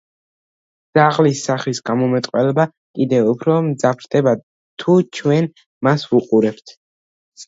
ძაღლის სახის გამომეტყველება კიდევ უფრო მძაფრდება, თუ ჩვენ მას ვუყურებთ.